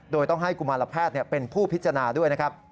โดยต้องให้กุมารแพทย์เป็นผู้พิจารณาด้วยนะครับ